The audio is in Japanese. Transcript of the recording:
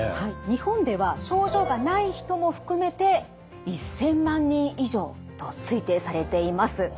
日本では症状がない人も含めて１，０００万人以上と推定されています。